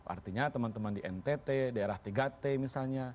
artinya teman teman di ntt daerah tiga t misalnya